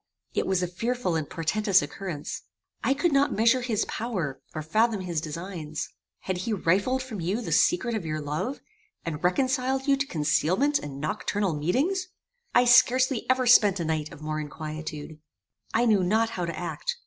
It was a fearful and portentous occurrence. I could not measure his power, or fathom his designs. Had he rifled from you the secret of your love, and reconciled you to concealment and noctural meetings? I scarcely ever spent a night of more inquietude. "I knew not how to act.